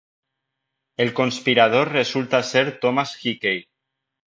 El conspirador resulta ser Thomas Hickey.